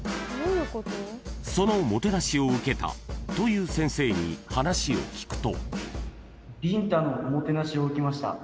［そのもてなしを受けたという先生に話を聞くと］